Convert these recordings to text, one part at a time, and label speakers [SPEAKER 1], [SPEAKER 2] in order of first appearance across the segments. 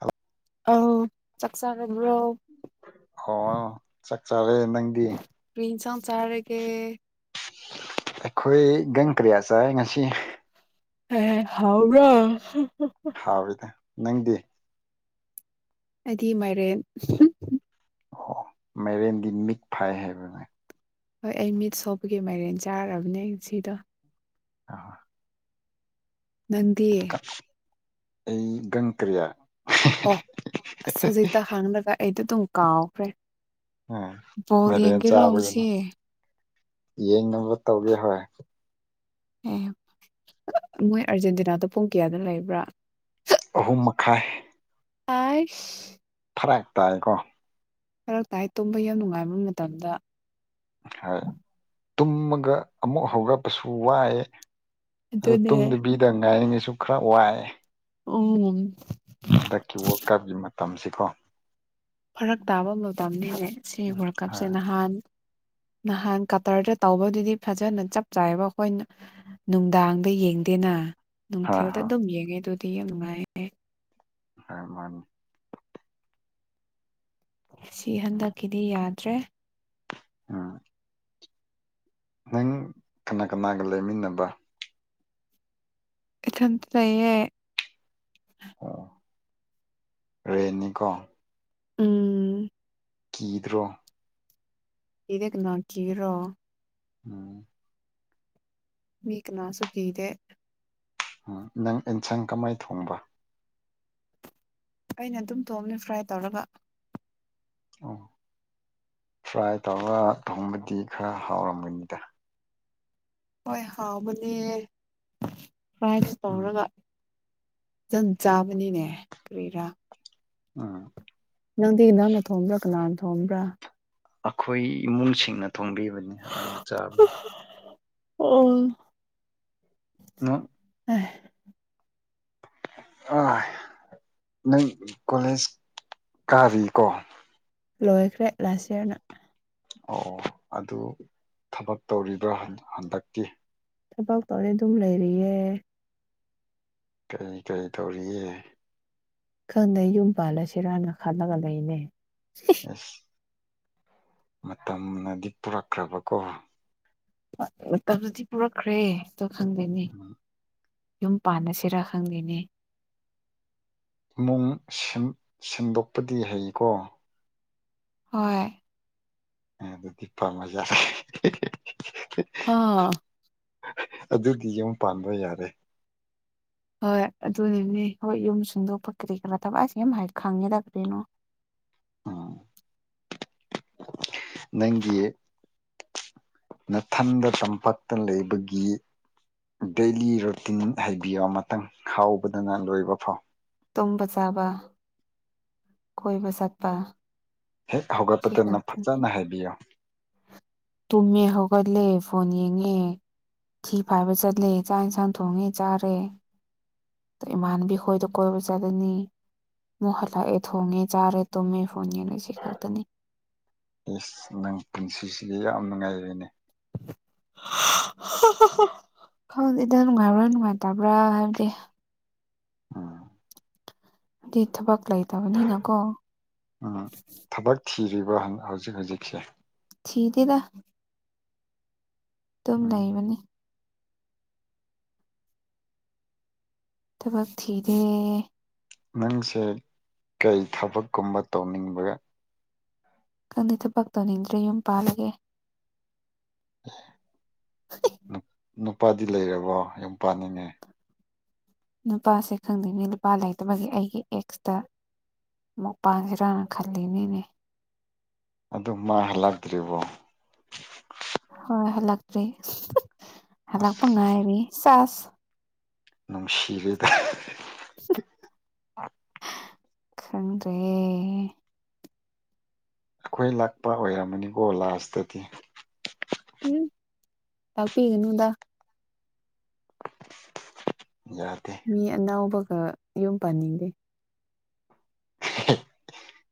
[SPEAKER 1] ꯍ
[SPEAKER 2] ꯑ ꯆꯥꯛ ꯆꯥꯔꯗ꯭ꯔꯣ
[SPEAKER 1] ꯑꯣ ꯆꯠ ꯆꯥꯔꯦ ꯅꯪꯗꯤ
[SPEAKER 2] ꯆꯔꯒꯦ
[SPEAKER 1] ꯑꯩꯈꯣꯏ ꯌꯨꯝ ꯀꯌꯥ ꯆꯥꯔꯦ ꯉꯁꯤ
[SPEAKER 2] ꯑꯦ ꯍꯥꯎꯕ꯭ꯔꯣ
[SPEAKER 1] ꯍꯥꯎꯔꯤꯗ ꯅꯪꯗꯤ
[SPEAKER 2] ꯍꯥꯏꯗꯤ ꯃꯥꯏꯔꯦꯟ
[SPEAKER 1] ꯑꯣ ꯃꯩꯔꯦꯟꯗꯤ ꯃꯤꯛ ꯐꯥꯏ ꯍꯥꯏꯕꯅꯦ
[SPEAKER 2] ꯍꯣꯏ ꯑꯩ ꯃꯤꯠ ꯁꯣꯄꯒꯤ ꯃꯥꯏꯔꯦꯟ ꯆꯥꯔꯕꯅꯦ ꯁꯤꯗꯣ
[SPEAKER 1] ꯑꯥ
[SPEAKER 2] ꯅꯟꯗꯦ
[SPEAKER 1] ꯑꯩ ꯒꯪ ꯀ꯭ꯔꯤꯌꯥ
[SPEAKER 2] ꯑꯣ ꯑꯁ ꯍꯧꯖꯤꯛꯇ ꯍꯪꯔꯒ ꯑꯩꯗꯤ ꯑꯗꯨꯝ ꯀꯥꯎꯈ꯭ꯔꯦ
[SPEAKER 1] ꯎꯝ
[SPEAKER 2] ꯕꯣꯜ
[SPEAKER 1] ꯃꯥꯏꯔꯦꯟ
[SPEAKER 2] ꯌꯦꯡꯒꯦꯔꯣ ꯉꯁꯤ
[SPEAKER 1] ꯆꯥꯕꯒꯤꯅꯤ ꯌꯦꯡꯅꯕ ꯇꯧꯒꯦ ꯍꯣꯏ
[SPEAKER 2] ꯑꯦ ꯃꯣꯏ ꯑꯥꯔꯖꯦꯟꯇꯤꯅꯥꯗꯣ ꯄꯨꯡ ꯀꯌꯥꯗ ꯂꯩꯕ꯭ꯔꯥ
[SPEAKER 1] ꯑꯍꯨꯝ ꯃꯈꯥꯏ
[SPEAKER 2] ꯑꯥꯁ
[SPEAKER 1] ꯐꯔꯛ ꯇꯥꯏꯀꯣ
[SPEAKER 2] ꯐꯔ ꯇꯥꯏ ꯇꯨꯝꯕ ꯌꯥꯝ ꯅꯨꯡꯉꯥꯏꯕ ꯃꯇꯝꯗ
[SPEAKER 1] ꯍꯣꯏ ꯇꯨꯝꯃꯒ ꯑꯃꯨꯛ ꯍꯧꯔꯛꯄꯁꯨ ꯋꯥꯏꯌꯦ ꯑꯗꯨ
[SPEAKER 2] ꯑꯗꯨꯅꯦ
[SPEAKER 1] ꯇꯨꯝꯗꯕꯤꯗ ꯉꯥꯏꯔꯤꯅꯦ ꯁꯨ ꯈꯔ ꯋꯥꯏ
[SPEAKER 2] ꯎꯝ
[SPEAKER 1] ꯍꯟꯗꯛꯀꯤ ꯋꯥꯀꯞꯒꯤ ꯃꯇꯝꯁꯤꯀꯣ
[SPEAKER 2] ꯐꯔꯛ ꯇꯥꯕ ꯃꯇꯝꯅꯤꯅꯦ ꯁꯤ ꯋꯥꯔꯜ ꯀꯞꯁꯦ
[SPEAKER 1] ꯍꯣꯏ
[SPEAKER 2] ꯅꯍꯥꯟ ꯅꯍꯥꯟ ꯀꯇꯔꯗ ꯇꯧꯕꯗꯨꯗꯤ ꯐꯖꯅ ꯆꯞ ꯆꯥꯏꯕ ꯑꯩꯈꯣꯏꯅ ꯅꯨꯡꯗꯥꯡꯗ ꯌꯦꯡꯗꯦꯅ
[SPEAKER 1] ꯍꯣꯏ
[SPEAKER 2] ꯅꯨꯡꯊꯤꯜꯗ
[SPEAKER 1] ꯍꯣꯏ
[SPEAKER 2] ꯑꯗꯨꯝ ꯌꯦꯡꯉꯦ ꯑꯗꯨꯗꯤ ꯌꯥꯝ ꯅꯨꯡꯉꯥꯏꯌꯦ
[SPEAKER 1] ꯍ ꯃꯥꯅꯤ
[SPEAKER 2] ꯁꯤ ꯍꯟꯗꯛꯀꯤꯗꯤ ꯌꯥꯗ꯭ꯔꯦ
[SPEAKER 1] ꯑꯝ ꯅꯪ ꯀꯅꯥ-ꯀꯅꯥꯒ ꯂꯩꯃꯤꯟꯅꯕ
[SPEAKER 2] ꯏꯊꯟꯇ ꯂꯩꯌꯦ
[SPEAKER 1] ꯑꯣ ꯔꯦꯅꯤꯀꯣ
[SPEAKER 2] ꯎꯝ
[SPEAKER 1] ꯀꯤꯗ꯭ꯔꯣ
[SPEAKER 2] ꯀꯤꯗꯦ ꯀꯅꯥ ꯀꯤꯒꯦꯔꯣ
[SPEAKER 1] ꯎꯝ
[SPEAKER 2] ꯃꯤ ꯀꯅꯥꯁꯨ ꯀꯤꯗꯦ
[SPEAKER 1] ꯑꯝ ꯅꯪ ꯑꯦꯟꯁꯥꯡ ꯀꯃꯥꯏ ꯊꯣꯡꯕ
[SPEAKER 2] ꯑꯩꯅ ꯑꯗꯨꯝ ꯇꯣꯕꯅꯦ ꯐ꯭ꯔꯥꯏ ꯇꯧꯔꯒ
[SPEAKER 1] ꯑꯣ ꯐ꯭ꯔꯥꯏ ꯇꯧꯔ ꯊꯣꯡꯕꯗꯤ ꯈꯔ ꯍꯥꯎꯔꯝꯒꯅꯤꯗ
[SPEAKER 2] ꯍꯣꯏ ꯍꯥꯎꯕꯅꯦ ꯐ꯭ꯔꯥꯏꯁꯨ
[SPEAKER 1] ꯎꯝ
[SPEAKER 2] ꯇꯧꯔꯒ ꯖꯟ ꯆꯥꯕꯅꯤꯅꯦ ꯀꯔꯤꯔꯥ
[SPEAKER 1] ꯎꯝ
[SPEAKER 2] ꯅꯪꯗꯤ ꯅꯪꯅ ꯊꯣꯡꯕ꯭ꯔꯥ ꯀꯅꯥꯅ ꯊꯣꯡꯕ꯭ꯔꯥ
[SPEAKER 1] ꯑꯈꯣꯏ ꯏꯃꯨꯡꯁꯤꯡꯅ ꯊꯣꯡꯕꯤꯕꯅꯤ ꯑꯗꯨꯒ ꯆꯥꯕꯅꯤ
[SPEAKER 2] ꯑꯣ
[SPEAKER 1] [unintelligible]
[SPEAKER 2] ꯍꯦ
[SPEAKER 1] ꯑꯥꯏ ꯅꯪ ꯀꯣꯂꯦꯖ ꯀꯥꯔꯤꯀꯣ
[SPEAKER 2] ꯂꯣꯏꯈ꯭ꯔꯦ ꯂꯥꯁ ꯏꯌꯥꯔꯅ
[SPEAKER 1] ꯑꯣ ꯑꯗꯨ ꯊꯕꯛ ꯇꯧꯔꯤꯕ꯭ꯔꯥ ꯍꯟꯗꯛꯇꯤ
[SPEAKER 2] ꯊꯕꯛ ꯇꯧꯔꯦ ꯑꯗꯨꯝ ꯂꯩꯔꯤꯌꯦ
[SPEAKER 1] ꯀꯩ-ꯀꯩ ꯇꯧꯔꯤꯌꯦ
[SPEAKER 2] ꯈꯪꯗꯦ ꯌꯨꯝ ꯄꯥꯜꯂꯁꯤꯔꯥꯅ ꯈꯜꯂꯒ ꯂꯩꯅꯦ
[SPEAKER 1] ꯑꯁ ꯃꯇꯝꯅꯗꯤ ꯄꯨꯔꯛꯈ꯭ꯔꯕꯀꯣ
[SPEAKER 2] ꯃꯇꯝꯅꯗꯤ ꯄꯨꯔꯛꯈ꯭ꯔꯦ ꯑꯗꯣ ꯈꯪꯗꯦꯅꯦ ꯌꯨꯝ ꯄꯥꯟꯅꯁꯤꯔꯥ ꯈꯪꯗꯦꯅꯦ
[SPEAKER 1] ꯏꯃꯨꯡ ꯁꯤꯟ ꯁꯤꯟꯗꯣꯛꯄꯗꯤ ꯍꯩꯀꯣ
[SPEAKER 2] ꯍꯣꯏ
[SPEAKER 1] ꯑ ꯑꯗꯨ ꯤꯞꯄꯄꯥ ꯃꯖꯥ
[SPEAKER 2] ꯍꯥꯥ
[SPEAKER 1] ꯑꯗꯨꯗꯤ ꯌꯨꯝ ꯄꯥꯟꯕ ꯌꯥꯔꯦ
[SPEAKER 2] ꯍꯣꯏ ꯑꯗꯨꯅꯤꯅꯦ ꯍꯣꯏ ꯌꯨꯝ ꯁꯨꯡꯗꯣꯛꯄ ꯀꯔꯤ ꯀꯔꯥ ꯊꯕꯛꯁꯦ ꯌꯥꯝ ꯈꯪꯉꯦꯗ ꯀꯔꯤꯅꯣ
[SPEAKER 1] ꯎꯝ ꯅꯪꯒꯤ ꯅꯊꯟꯗ ꯇꯝꯄꯥꯛꯇ ꯂꯩꯕꯒꯤ ꯗꯦꯂꯤ ꯔꯨꯇꯤꯟ ꯍꯥꯏꯩꯕꯤꯌꯣ ꯃꯇꯪ ꯍꯥꯎꯕꯗꯅ ꯂꯣꯏꯕ ꯐꯥꯎ
[SPEAKER 2] ꯇꯨꯝꯕ ꯆꯥꯕ ꯀꯣꯏꯕ ꯆꯠꯄ
[SPEAKER 1] ꯍꯦꯛ
[SPEAKER 2] ꯁꯤ
[SPEAKER 1] ꯍꯧꯒꯠꯄꯇꯅ
[SPEAKER 2] ꯈꯛꯇꯅꯦ
[SPEAKER 1] ꯐꯖꯅ ꯍꯥꯏꯕꯤꯌꯨ
[SPEAKER 2] ꯇꯨꯝꯃꯦ ꯍꯧꯒꯠꯂꯦ ꯐꯣꯟ ꯌꯦꯡꯉꯦ ꯊꯤ ꯐꯥꯏꯕ ꯆꯠꯂꯦ ꯆꯥꯛ ꯏꯟꯁꯥꯡ ꯊꯣꯡꯉꯦ ꯆꯥꯔꯦ ꯏꯃꯥꯟꯕꯤ ꯍꯣꯏꯗ ꯀꯣꯏꯕ ꯆꯠꯅꯤ ꯃꯨ ꯍꯜꯂꯛꯑꯦ ꯊꯣꯡꯉꯦ ꯆꯥꯔꯦ ꯇꯨꯝꯃꯦ ꯐꯣꯟ ꯌꯦꯡꯉꯦ ꯁꯤ ꯈꯛꯇꯅꯤ
[SPEAKER 1] ꯌꯦꯁ ꯅꯪ ꯄꯨꯟꯁꯤꯁꯤꯗꯤ ꯌꯥꯝ ꯅꯨꯡꯉꯥꯏꯔꯤꯅꯦ [unintelligible]
[SPEAKER 2] ꯈꯪꯗꯦꯗ ꯅꯨꯡꯉꯥꯏꯕ꯭ꯔꯥ ꯅꯨꯡꯉꯥꯏꯇꯕ꯭ꯔꯥ ꯍꯥꯏꯕꯗꯤ
[SPEAKER 1] ꯑꯝ
[SPEAKER 2] ꯑꯗꯨꯗꯤ ꯊꯕꯛ ꯂꯩꯇꯕꯅꯤꯅꯀꯣ
[SPEAKER 1] ꯎꯝ ꯊꯕꯛ ꯊꯤꯔꯤꯕ ꯍꯧꯖꯤꯛ ꯍꯧꯖꯤꯛꯁꯦ
[SPEAKER 2] ꯊꯗꯦꯗ ꯑꯗꯨꯝ
[SPEAKER 1] ꯎꯝ
[SPEAKER 2] ꯂꯩꯕꯅꯤ ꯊꯕꯛ ꯊꯗꯦ
[SPEAKER 1] ꯅꯪꯁꯦ ꯀꯩ ꯊꯕꯛꯀꯨꯝꯕ ꯇꯧꯅꯤꯡꯕꯒ
[SPEAKER 2] ꯀꯪꯗ ꯊꯕꯛꯇꯧꯅꯤꯡꯗ꯭ꯔ ꯌꯨꯝ ꯄꯥꯜꯂꯒꯦ
[SPEAKER 1] [unintelligible]
[SPEAKER 2] [unintelligible]
[SPEAKER 1] ꯅꯨꯄꯥꯗꯤ ꯂꯩꯔꯕꯣ ꯌꯨꯝ ꯄꯅꯤꯅꯦ
[SPEAKER 2] ꯅꯨꯄꯥꯁꯦ ꯈꯪꯗꯦꯅꯤ ꯅꯨꯄꯥ ꯂꯩꯇꯕꯒꯤ ꯑꯩꯒꯤ ꯑꯦꯛꯁꯇ ꯃꯨꯛ ꯄꯥꯟꯁꯤꯔꯥꯅ ꯈꯜꯂꯤꯅꯤꯅꯦ
[SPEAKER 1] ꯑꯗꯨ ꯃꯥꯍꯜꯂꯛꯇ꯭ꯔꯤꯕꯣ
[SPEAKER 2] ꯍꯣꯏ ꯍꯜꯂꯛꯇ꯭꯭ꯔꯦ
[SPEAKER 1] ꯑꯁ
[SPEAKER 2] ꯍꯜꯂꯛꯄ ꯉꯥꯏꯔꯤ ꯆꯥꯁ
[SPEAKER 1] ꯅꯅꯨꯡꯁꯤꯔꯗ
[SPEAKER 2] ꯈꯪꯡꯗꯦ
[SPEAKER 1] ꯑꯩꯈꯣꯏ ꯂꯥꯛꯄ ꯑꯣꯏꯔꯝꯃꯅꯤꯀꯣ ꯂꯥꯁꯇꯗꯤ
[SPEAKER 2] ꯎꯝ ꯄꯤꯅꯗ
[SPEAKER 1] ꯌꯥꯗꯦ
[SPEAKER 2] ꯃꯤ ꯑꯅꯥꯕꯒ ꯌꯨꯝ ꯄꯥꯟꯅꯤꯡꯗꯦ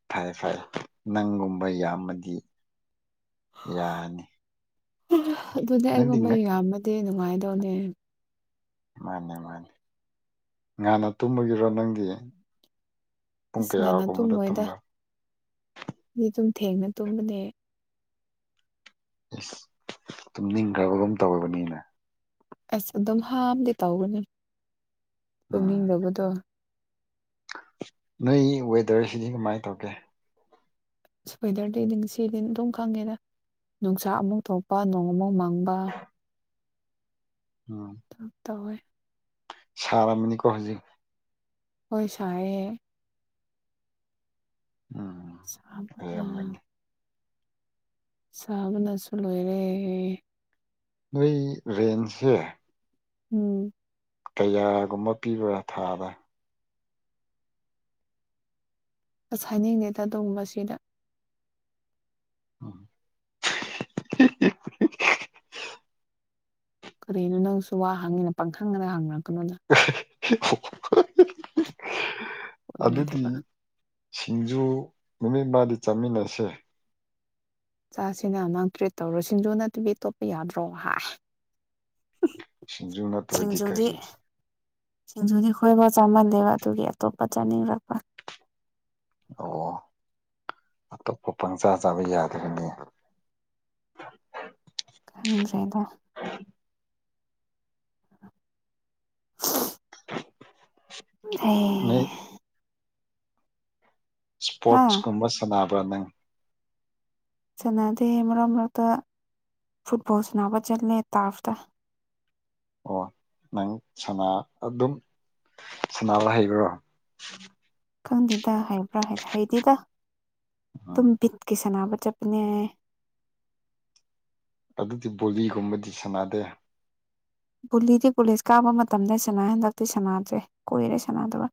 [SPEAKER 1] ꯐꯩ ꯐꯩ ꯅꯪꯒꯨꯝꯕ ꯌꯥꯝꯃꯗꯤ ꯌꯥꯅꯤ
[SPEAKER 2] ꯑꯗꯨꯅꯦ
[SPEAKER 1] ꯅꯪꯗꯤ
[SPEAKER 2] ꯑꯩꯒꯨꯝꯕ
[SPEAKER 1] ꯃꯥꯅꯦ
[SPEAKER 2] ꯌꯥꯝꯃꯗꯤ ꯅꯨꯡꯉꯥꯏꯗꯧꯅꯦ
[SPEAKER 1] ꯃꯥꯅꯤ ꯃꯥꯅꯤ ꯉꯥꯟꯅ ꯇꯨꯝꯕꯒꯤꯔꯣ ꯅꯪꯗꯤ ꯄꯨꯡ
[SPEAKER 2] ꯏꯁ ꯉꯅ
[SPEAKER 1] ꯀꯌꯥꯒꯨꯝꯕꯗ
[SPEAKER 2] ꯇꯨꯝꯃꯣꯏꯗ
[SPEAKER 1] ꯇꯨꯝꯕ꯭ꯔꯥ
[SPEAKER 2] ꯃꯤ ꯑꯗꯨꯨꯝ ꯊꯦꯡꯅ ꯇꯨꯝꯕꯅꯦ
[SPEAKER 1] ꯑꯦꯁ ꯇꯨꯝꯅꯤꯡꯈ꯭ꯔꯒ ꯑꯗꯨꯝ ꯇꯧꯔꯕꯅꯤꯅꯦ
[SPEAKER 2] ꯑꯁ ꯑꯗꯨꯝ ꯍꯝꯗꯤ ꯇꯧꯒꯅꯤ
[SPEAKER 1] ꯎꯝ
[SPEAKER 2] ꯇꯣꯛꯅꯤꯡꯗꯕꯗꯣ
[SPEAKER 1] ꯅꯣꯏ ꯋꯦꯗꯔꯁꯤꯗꯤ ꯀꯃꯥꯏꯅ ꯇꯧꯒꯦ
[SPEAKER 2] ꯁ꯭ꯋꯦꯇꯔꯗꯤꯗꯤ ꯁꯤꯗꯤ ꯑꯗꯨꯝ ꯈꯪꯉꯦꯅ ꯅꯨꯡꯁꯥꯛ ꯑꯃꯨꯛ ꯊꯣꯛꯄ ꯅꯣꯡ ꯑꯃꯨꯥꯎꯛ ꯃꯥꯡ ꯃꯡꯕ ꯇꯋꯦ
[SPEAKER 1] ꯁꯔ ꯑꯃꯅꯤꯅꯤ ꯀ ꯍꯖꯤꯩ
[SPEAKER 2] ꯍꯣꯏ ꯁꯥꯏꯍꯦ
[SPEAKER 1] ꯎꯝ
[SPEAKER 2] ꯁꯥꯝ ꯑꯥ
[SPEAKER 1] ꯑꯣꯏꯔꯝꯒꯅꯤ
[SPEAKER 2] ꯆꯥꯕꯅꯁꯨ ꯂꯣꯏꯔꯦ
[SPEAKER 1] ꯅꯣꯏ ꯔꯦꯟꯁꯦ
[SPEAKER 2] ꯎꯝ
[SPEAKER 1] ꯀꯌꯥꯒꯨꯝꯕ ꯄꯤꯕ꯭ꯔꯥ ꯊꯥꯕ
[SPEAKER 2] ꯑꯁ ꯍꯥꯏꯅꯤꯡꯗꯦꯗ ꯑꯗꯨꯒꯨꯝꯕꯁꯤꯗ
[SPEAKER 1] [unintelligible]
[SPEAKER 2] ꯀꯔꯤꯅꯣ ꯅꯪꯁꯨ ꯋꯥ ꯍꯪꯉꯤꯅ ꯄꯪꯈꯪꯗꯅ ꯍꯪꯅꯔꯛꯀꯅꯣꯗ
[SPEAKER 1] [unintelligible] ꯑꯗꯨꯗꯤ
[SPEAKER 2] ꯍꯗꯄꯥ
[SPEAKER 1] ꯁꯤꯡꯖꯨ ꯅꯨꯃꯤꯠꯃꯗꯤ ꯆꯥꯃꯤꯟꯅꯁꯦ
[SPEAKER 2] ꯆꯆꯥꯁꯤꯅ ꯅ ꯅꯥꯡ ꯇ꯭ꯔꯤꯠ ꯇꯧꯔ ꯁꯤꯡꯖꯨ ꯅꯠꯇꯕꯤꯇꯣꯞꯄ ꯌꯥꯗ꯭ꯔꯣ ꯍꯥꯏ
[SPEAKER 1] ꯁꯤꯡꯖꯨ ꯅꯠꯇꯕꯗꯤ
[SPEAKER 2] ꯁꯤꯡꯖꯨꯗꯤ
[SPEAKER 1] ꯀꯔꯤ
[SPEAKER 2] ꯁꯤꯡꯖꯨꯗꯤ ꯈꯣꯏꯕꯥꯎ ꯆꯥꯃꯟꯂꯦꯕ ꯑꯗꯨꯒꯤ ꯑꯇꯣꯞꯄ ꯆꯥꯅꯤꯡꯔꯛꯄ
[SPEAKER 1] ꯑꯣ ꯑꯇꯣꯞꯄ ꯄꯪꯆꯥꯥ ꯆꯥꯕ ꯌꯥꯗꯒꯅꯤ
[SPEAKER 2] ꯀꯝ ꯆꯗ [unintelligible] ꯑꯦ
[SPEAKER 1] ꯅꯣꯏ
[SPEAKER 2] ꯍꯥ
[SPEAKER 1] ꯏꯁꯄꯣꯔꯠꯁꯀꯨꯝꯕ ꯁꯥꯟꯅꯕ꯭ꯔꯥ ꯅꯪ
[SPEAKER 2] ꯆꯅꯗꯤ ꯃꯔꯔꯣ ꯃꯔꯔꯗ ꯐꯨꯠꯕꯣꯜꯁꯅꯥꯕ ꯆꯜꯂꯦ ꯇꯥꯞꯇ
[SPEAKER 1] ꯑꯣ ꯅꯪ ꯁꯅꯥ ꯑꯗꯨꯝ ꯁꯅꯥꯕ ꯍꯩꯕ꯭ꯔꯣ
[SPEAKER 2] ꯈꯪꯗꯦꯗ ꯍꯥꯏꯕ꯭ꯔꯥ ꯍꯥꯏ ꯍꯩꯗꯤꯗ ꯑꯗꯨꯝ
[SPEAKER 1] ꯎꯝ
[SPEAKER 2] ꯕꯤꯠꯀꯤ ꯁꯅꯕ ꯆꯄꯅꯦ
[SPEAKER 1] ꯑꯗꯨꯗꯤ ꯕꯣꯂꯤꯒꯨꯝꯕꯗꯤ ꯁꯥꯟꯅꯗꯦ
[SPEAKER 2] ꯕꯨꯂꯤꯗꯤ ꯄꯨꯒꯂꯤꯁ ꯀꯥꯕ ꯃꯇꯝꯗ ꯁꯅꯥ ꯍꯟꯗꯛꯇꯤ ꯁꯅꯥꯗ꯭ꯔꯦ ꯀꯣꯏꯔꯦ ꯁꯅꯥꯗꯕ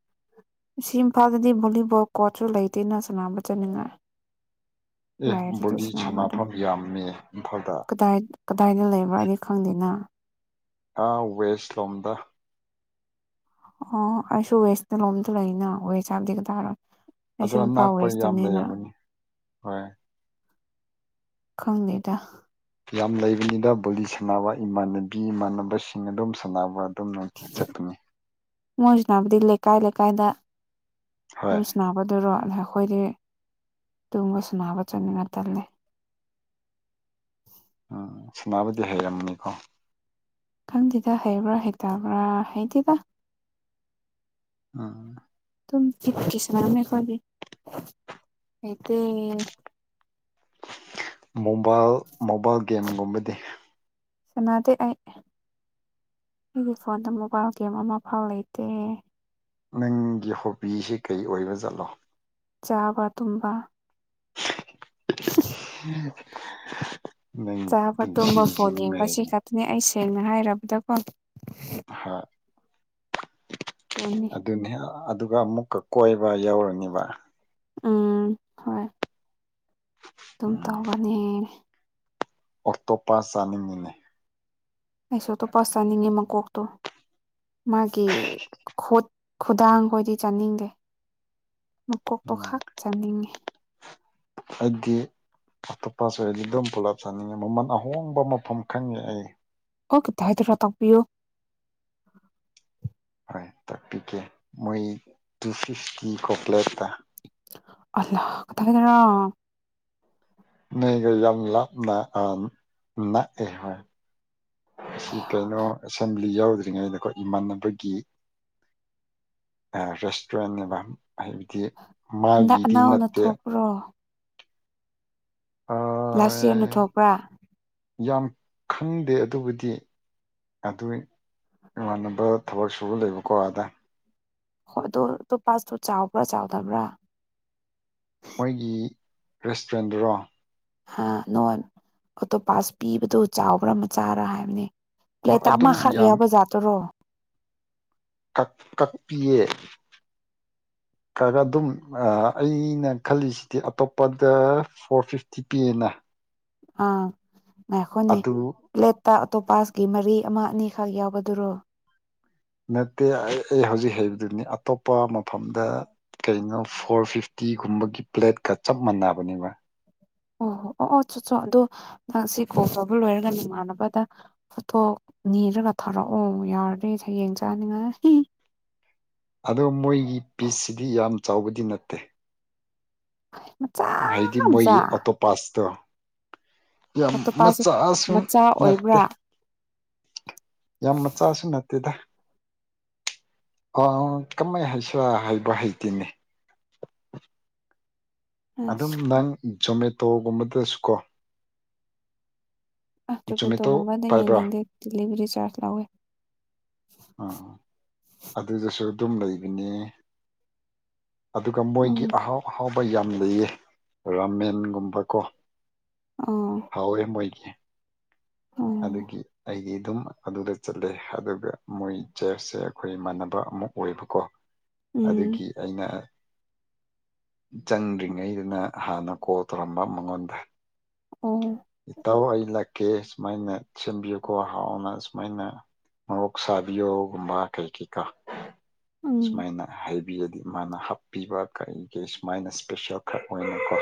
[SPEAKER 2] ꯁꯤ ꯏꯝꯐꯥꯜꯗꯗꯤ ꯚꯣꯂꯤꯕꯣꯜ ꯀꯣꯆꯁꯨ ꯂꯩꯇꯦꯅ ꯁꯅꯥꯅꯕ ꯆꯠꯅꯤꯡꯉꯦ
[SPEAKER 1] ꯑꯦ
[SPEAKER 2] ꯂꯥꯏꯔ
[SPEAKER 1] ꯕꯣꯂꯤ
[SPEAKER 2] ꯁꯅꯥꯕꯗꯨꯣ
[SPEAKER 1] ꯁꯥꯟꯅꯐꯝ ꯌꯥꯝꯃꯤ ꯏꯝꯐꯥꯜꯗ
[SPEAKER 2] ꯀꯗꯥꯏ ꯀꯗꯥꯏꯅ ꯂꯩꯕ꯭ꯔꯥ ꯍꯥꯏꯅꯤ ꯈꯪꯗꯦꯅ
[SPEAKER 1] ꯍꯥ ꯋꯦꯁ ꯂꯣꯝꯗ
[SPEAKER 2] ꯑꯣ ꯑꯩꯁꯨ ꯋꯦꯁꯇ ꯂꯣꯝꯗ ꯂꯩꯅ ꯋꯦꯁ ꯍꯥꯏꯞꯗꯤꯒꯔ
[SPEAKER 1] ꯑꯗꯣ
[SPEAKER 2] ꯑꯩꯁꯨ
[SPEAKER 1] ꯑꯅꯛꯄ ꯌꯥꯝ
[SPEAKER 2] ꯏꯝꯐꯥꯎꯋꯦꯁꯇꯅꯦꯅ
[SPEAKER 1] ꯂꯩꯔꯝꯒꯅꯤ ꯍꯣꯏ
[SPEAKER 2] ꯀꯣꯟꯗꯦꯇ
[SPEAKER 1] ꯌꯥꯝ ꯂꯩꯕꯅꯤꯗ ꯕꯣꯂꯤ ꯁꯥꯟꯅꯕ ꯏꯃꯥꯟꯅꯕꯤ ꯏꯃꯥꯟꯅꯕꯁꯤꯡ ꯑꯗꯨꯝ ꯁꯥꯟꯅꯕ ꯆꯤ ꯆꯠꯇꯅꯦ
[SPEAKER 2] ꯃꯣꯏꯁꯨ ꯅꯥꯅꯕꯗꯤ ꯂꯩꯀꯥꯏ ꯂꯩꯀꯥꯏꯗ
[SPEAKER 1] ꯍꯣꯏ
[SPEAKER 2] ꯑꯗꯨꯝ ꯅꯥꯕꯗꯔꯣꯜꯂꯦ ꯑꯩꯈꯣꯏꯗꯤ ꯇꯨꯝꯕ ꯁꯨꯅꯕ ꯆꯠꯅꯤꯡ ꯇꯅꯤ
[SPEAKER 1] ꯎꯝ ꯁꯅꯥꯕꯨꯗꯤ ꯍꯩꯔꯝꯃꯅꯤꯀꯣ
[SPEAKER 2] ꯈꯪꯗꯦꯗ ꯍꯩꯕ꯭ꯔꯥ ꯍꯩꯇꯕ꯭ꯔꯥ ꯍꯩꯇꯦꯗ
[SPEAKER 1] ꯑ
[SPEAKER 2] ꯇꯝ ꯏꯀꯤ ꯁꯃꯔ ꯃꯦ ꯈꯣꯦ ꯑꯩꯗꯤ
[SPEAKER 1] ꯃꯣꯕꯥꯏꯜ ꯃꯣꯕꯥꯏꯜ ꯒꯦꯝꯒꯨꯝꯕꯗꯤ
[SPEAKER 2] ꯁꯅꯥꯗ ꯑꯩ ꯑꯩꯒꯤ ꯐꯣꯟꯗ ꯃꯣꯕꯥꯏꯜ ꯒꯦꯝ ꯑꯃ ꯐꯥꯎ ꯂꯩꯇꯦ
[SPEAKER 1] ꯅꯪꯒꯤ ꯍꯣꯕꯤꯁꯤ ꯀꯔꯤ ꯑꯣꯏꯕ ꯆꯠꯂꯣ
[SPEAKER 2] ꯆꯥꯕ ꯇꯨꯝꯕ
[SPEAKER 1] ꯍ
[SPEAKER 2] ꯆꯥꯕ ꯇꯨꯝꯕ ꯐꯣꯟ ꯌꯦꯡꯕꯁꯤ ꯈꯛꯇꯅꯤ ꯑꯩ ꯁꯦꯡꯅ ꯍꯥꯏꯔꯕꯗ ꯐꯣꯟ
[SPEAKER 1] ꯍꯣꯏ ꯑꯗꯨꯅꯤ ꯑꯗꯨ ꯑꯗꯨꯒ ꯑꯃꯨꯛꯀ ꯀꯣꯏꯕ ꯌꯥꯎꯔꯅꯤꯕ
[SPEAKER 2] ꯎꯝ ꯍꯣꯏ ꯑꯗꯨꯝ ꯇꯧꯕꯅꯦ
[SPEAKER 1] ꯑꯣꯇꯣꯞꯄꯥꯁ ꯆꯥꯅꯤꯡꯉꯤꯅꯦ
[SPEAKER 2] ꯑꯩꯁꯨ ꯑꯇꯣꯞꯄꯁ ꯆꯥꯅꯤꯡꯉꯦ ꯃꯀꯣꯛꯇꯣ ꯃꯥꯒꯤ ꯈꯨꯠ ꯈꯨꯗꯥꯡꯈꯣꯏꯗꯤ ꯆꯥꯅꯤꯡꯗꯦ ꯃꯀꯣꯛꯇꯣ ꯈꯛ ꯆꯥꯅꯤꯡꯉꯦ
[SPEAKER 1] ꯑꯗꯨꯗꯤ ꯑꯇꯣꯞꯄꯁ ꯑꯣꯏꯔꯗꯤ ꯑꯗꯨꯝ ꯄꯨꯂꯞ ꯆꯥꯅꯤꯡꯉꯦ ꯃꯃꯜ ꯑꯍꯣꯡꯕ ꯃꯐꯝ ꯈꯪꯉꯦ ꯑꯩ
[SPEAKER 2] [unintelligible] ꯇꯥꯛꯄꯤꯌꯨ
[SPEAKER 1] ꯍꯣꯏ ꯇꯥꯛꯄꯤꯒꯦ ꯃꯣꯏ ꯇꯨ ꯐꯤꯞꯇꯤ ꯀꯣ ꯄ꯭ꯂꯦꯠꯇ
[SPEAKER 2] [unintelligible]
[SPEAKER 1] ꯅꯣꯏꯒ ꯌꯝ ꯂꯞꯅ ꯑ ꯅꯛꯑꯦ ꯍꯣꯏ ꯁꯤ ꯀꯩꯅꯣ ꯑꯦꯁꯦꯝꯕ꯭ꯂꯤ ꯌꯥꯎꯗꯦ ꯍꯧꯗ꯭ꯔꯤꯉꯩꯗꯀꯈꯣꯏ ꯏꯃꯥꯟꯅꯕꯒꯤ ꯔꯦꯁꯇꯨꯔꯦꯟꯅꯦꯕ ꯍꯥꯏꯕꯗꯤ
[SPEAKER 2] ꯍꯟꯗꯛ
[SPEAKER 1] ꯃꯥꯒꯤꯗꯤ
[SPEAKER 2] ꯑꯅꯧꯅ
[SPEAKER 1] ꯅꯠꯇꯦ
[SPEAKER 2] ꯊꯣꯛꯄ꯭ꯔꯣ ꯂꯥꯁ ꯏꯌꯥꯔꯅ ꯊꯣꯛꯄ꯭ꯔꯥ
[SPEAKER 1] ꯌꯥꯝ ꯈꯪꯗꯦ ꯑꯗꯨꯕꯨꯗꯤ ꯑꯗꯨ ꯏꯃꯥꯟꯅꯕ ꯊꯕꯛ ꯁꯨꯕ ꯂꯩꯕꯀꯣ ꯑꯥꯗ
[SPEAKER 2] ꯍꯣꯏ ꯑꯗꯨꯣ ꯇꯣ ꯄꯥꯁꯇꯣ ꯆꯥꯎꯕ꯭ꯔꯥ ꯆꯥꯎꯗꯕ꯭ꯔꯥ
[SPEAKER 1] ꯃꯣꯏꯒꯤ ꯔꯦꯁꯇꯨꯔꯦꯟꯗꯨꯔꯣ
[SPEAKER 2] ꯑ ꯅꯣꯏ ꯑꯣꯇꯣꯄꯥꯁ ꯄꯤꯕꯗꯣ ꯆꯥꯎꯕ꯭ꯔꯥ ꯃꯆꯥꯔꯥ ꯍꯥꯏꯕꯅꯤ
[SPEAKER 1] ꯍꯣꯏ
[SPEAKER 2] ꯄ꯭ꯂꯦꯠꯇ
[SPEAKER 1] ꯑꯗꯨꯝ
[SPEAKER 2] ꯑꯃꯈꯛ
[SPEAKER 1] ꯌꯥꯝ
[SPEAKER 2] ꯌꯥꯎꯕ ꯖꯥꯠꯇꯨꯔꯣ
[SPEAKER 1] ꯀꯛ ꯀꯛꯄꯤꯌꯦ [unintelligible] ꯑꯗꯨꯝ ꯑꯩꯅ ꯈꯜꯂꯤꯁꯤꯗꯤ ꯑꯇꯣꯞꯄꯗ ꯐꯣꯔ ꯐꯤꯐꯇꯤ ꯄꯤꯌꯦꯅ
[SPEAKER 2] ꯑꯥ ꯉꯥꯏꯈꯣꯅꯦ
[SPEAKER 1] ꯑꯗꯨ
[SPEAKER 2] ꯄ꯭ꯂꯦꯠ ꯇ ꯑꯣꯇꯣꯞꯄꯥꯁꯀꯤ ꯃꯔꯤ ꯑꯃ ꯑꯅꯤꯈꯛ ꯌꯥꯎꯕꯗꯨꯔꯣ
[SPEAKER 1] ꯅꯠꯇꯦ ꯑꯩ ꯑꯩ ꯍꯧꯖꯤꯛ ꯍꯩꯕꯗꯨꯅꯤ ꯑꯇꯣꯞꯄ ꯃꯐꯝꯗ ꯀꯩꯅꯣ ꯐꯣꯔ ꯐꯤꯐꯇꯤ ꯇꯤꯒꯨꯝꯕꯒꯤ ꯄ꯭ꯂꯦꯠꯀ ꯆꯞ ꯃꯥꯟꯅꯕꯅꯦꯕ
[SPEAKER 2] ꯑꯣ ꯍꯣ ꯑꯣ ꯑꯣ ꯆꯣꯠ ꯆꯣ ꯑꯗꯣ ꯅꯪ ꯁꯤ ꯀꯣꯕꯨ ꯂꯣꯏꯔꯒ ꯅꯣꯡꯃꯥꯟꯅꯕꯗ ꯐꯣꯇꯣ ꯅꯤꯔꯒ ꯊꯥꯔꯛꯑꯣ ꯌꯥꯔꯗꯤ ꯍꯌꯦꯡ ꯆꯥꯅꯤꯡꯉꯥꯏ
[SPEAKER 1] ꯑꯗꯣ ꯃꯣꯏꯒꯤ ꯄꯤꯁꯁꯤꯗꯤ ꯌꯥꯝ ꯆꯥꯎꯕꯗꯤ ꯅꯠꯇꯦ
[SPEAKER 2] ꯃꯆꯥ
[SPEAKER 1] ꯍꯥꯏꯗꯤ ꯃꯣꯏ
[SPEAKER 2] ꯃꯆꯥ
[SPEAKER 1] ꯑꯣꯇꯣꯄꯥꯁꯇꯣ ꯌꯥꯝ
[SPEAKER 2] ꯑꯣꯇꯣꯞꯄꯥꯁ
[SPEAKER 1] ꯃꯆꯥꯁꯨ
[SPEAKER 2] ꯃꯆꯥ
[SPEAKER 1] ꯅꯠꯇꯦ
[SPEAKER 2] ꯑꯣꯏꯕ꯭ꯔꯥ
[SPEAKER 1] ꯌꯥꯝ ꯃꯆꯥꯁꯨ ꯅꯠꯇꯦꯗ ꯑ ꯀꯃꯥꯏ ꯍꯥꯏꯁꯤꯔ ꯍꯥꯏꯕ ꯍꯩꯇꯦꯅꯤ ꯑꯗꯨꯝ
[SPEAKER 2] ꯑꯁ
[SPEAKER 1] ꯅꯪ ꯖꯣꯃꯦꯇꯣꯒꯨꯝꯕꯗꯁꯨꯀꯣ
[SPEAKER 2] [unintelligible]
[SPEAKER 1] ꯖꯣꯃꯦꯇꯣ
[SPEAKER 2] ꯒꯨꯝꯕꯗ
[SPEAKER 1] ꯄꯥꯏꯕ꯭ꯔꯥ
[SPEAKER 2] ꯌꯦꯡꯅꯤꯡꯗꯦ ꯗꯥꯂꯤꯚꯔꯤ ꯆꯥꯔꯖ ꯂꯧꯋꯦ
[SPEAKER 1] ꯎꯝ ꯑꯗꯨꯗꯁꯨ ꯑꯗꯨꯝ ꯂꯩꯕꯅꯤ ꯑꯗꯨꯒ
[SPEAKER 2] ꯎꯝ
[SPEAKER 1] ꯃꯣꯏꯒꯤ ꯑꯍꯥꯎ ꯑꯍꯥꯎꯕ ꯌꯥꯝ ꯂꯩꯌꯦ ꯔꯥꯃꯦꯟꯒꯨꯝꯕꯀꯣ
[SPEAKER 2] ꯑꯥ
[SPEAKER 1] ꯍꯥꯎꯋꯦ ꯃꯣꯏꯒꯤ
[SPEAKER 2] ꯎꯝ
[SPEAKER 1] ꯑꯗꯨꯒꯤ ꯑꯩꯗꯤ ꯑꯗꯨꯝ ꯑꯗꯨꯗ ꯆꯠꯂꯦ ꯑꯗꯨꯒ ꯃꯣꯏ ꯆꯦꯁꯁꯦ ꯑꯩꯈꯣꯏ ꯏꯃꯥꯟꯅꯕ ꯑꯃ ꯑꯣꯏꯕꯀꯣ
[SPEAKER 2] ꯎꯝ
[SPEAKER 1] ꯑꯗꯨꯒꯤ ꯑꯩꯅ ꯆꯪꯗ꯭ꯔꯤꯉꯩꯗꯨꯅ ꯍꯥꯟꯅ ꯀꯣꯜ ꯇꯧꯔꯝꯕ ꯃꯉꯣꯟꯗ
[SPEAKER 2] ꯑꯣ
[SPEAKER 1] ꯏꯇꯥꯎ ꯑꯩ ꯂꯥꯛꯀꯦ ꯁꯨꯃꯥꯏꯅ ꯁꯦꯝꯕꯤꯌꯨꯀꯣ ꯍꯥꯎꯅ ꯁꯨꯃꯥꯏꯅ ꯃꯣꯔꯣꯛꯁꯥꯕꯤꯌꯣꯒꯨꯝꯕ ꯀꯩꯀꯩ ꯀꯣ
[SPEAKER 2] ꯎꯝ
[SPEAKER 1] ꯁꯨꯃꯥꯏꯅ ꯍꯥꯕꯤꯔꯗꯤ ꯃꯥꯅ ꯍꯥꯞꯄꯤꯕ ꯀꯔꯤ ꯀꯩ ꯁꯨꯃꯥꯏꯅ ꯏꯁꯄꯦꯁꯦꯜ ꯈꯔ ꯑꯣꯏꯅꯀꯣ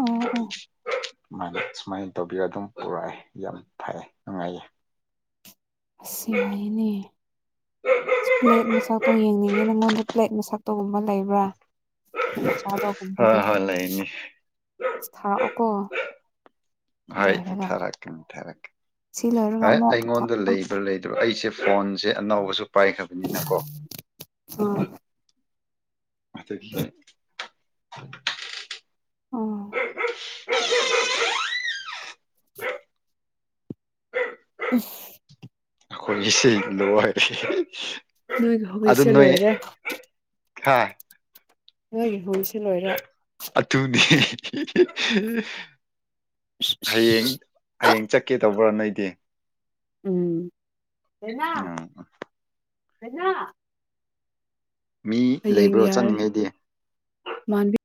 [SPEAKER 2] ꯑꯣꯑꯣ
[SPEAKER 1] ꯃꯥꯅꯤ ꯁꯨꯃꯥꯏꯅ ꯇꯧꯕꯤꯔ ꯑꯗꯨꯝ ꯄꯨꯔꯛꯑꯦ ꯌꯥꯝ ꯐꯩꯌꯦ ꯅꯨꯡꯉꯥꯏꯌꯦ
[SPEAKER 2] ꯁꯤ ꯍꯩꯅꯤ ꯄ꯭ꯂꯦꯠ ꯃꯁꯛꯇꯣ ꯌꯦꯡꯅꯤꯡ ꯅꯉꯣꯟꯗ ꯄ꯭ꯂꯦꯠ ꯃꯁꯛꯇꯨꯒꯨꯝꯕ ꯂꯩꯕ꯭ꯔꯥ
[SPEAKER 1] ꯍꯣꯏ
[SPEAKER 2] ꯆꯥꯕꯒꯨꯝꯕꯒꯤ
[SPEAKER 1] ꯍꯣꯏ ꯂꯩꯅꯤ
[SPEAKER 2] ꯊꯥꯛꯑꯣꯀꯣ
[SPEAKER 1] ꯍ ꯊꯔꯛ ꯀ ꯊꯔꯛ
[SPEAKER 2] ꯁꯤ ꯂꯣꯏꯔꯒ
[SPEAKER 1] ꯑꯦ
[SPEAKER 2] ꯑꯃꯨꯛ ꯊꯥ
[SPEAKER 1] ꯑꯩꯉꯣꯟꯗ
[SPEAKER 2] ꯑꯝ
[SPEAKER 1] ꯂꯩꯕ꯭ꯔꯥ ꯂꯩꯗ꯭ꯔꯥ ꯑꯩꯁꯦ ꯐꯣꯟꯁꯦ ꯑꯅꯧꯕꯁꯨ ꯄꯥꯏꯈ꯭ꯔꯕꯅꯤꯅꯀꯣ
[SPEAKER 2] ꯎꯝ
[SPEAKER 1] ꯑꯗ ꯒꯤ
[SPEAKER 2] ꯑꯣ
[SPEAKER 1] [unintelligible]
[SPEAKER 2] [unintelligible]
[SPEAKER 1] ꯑꯩꯈꯣꯏꯒꯤꯁ ꯂꯣꯏꯔꯦ
[SPEAKER 2] ꯅꯣꯏꯒꯤ
[SPEAKER 1] ꯑꯗꯨ
[SPEAKER 2] ꯍꯧꯔꯤꯁꯦ
[SPEAKER 1] ꯅꯣꯏ
[SPEAKER 2] ꯂꯣꯏꯔꯦ ꯅꯣꯏꯒꯤ ꯍꯧꯁꯦ
[SPEAKER 1] ꯑꯆꯨꯝꯅꯤ ꯍꯌꯦꯡ ꯍꯌꯦꯡ ꯆꯠꯀꯦ ꯇꯧꯕ꯭ꯔꯥ ꯅꯣꯏꯗꯤ
[SPEAKER 2] ꯎꯝ ꯊꯅ
[SPEAKER 1] ꯎꯝ
[SPEAKER 2] ꯊꯅ
[SPEAKER 1] ꯃꯤ ꯂꯩꯕ꯭ꯔꯣ
[SPEAKER 2] ꯌꯥꯔꯦ
[SPEAKER 1] ꯆꯠꯅꯤꯡꯉꯩꯗꯤ